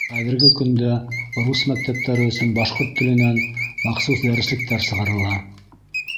Хәҙерге көндә рус мәктәптәре өсөн башҡорт теленән махсус дәреслектәр сығарыла.